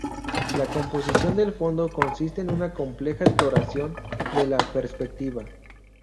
La composición del fondo consiste en una compleja exploración de la perspectiva.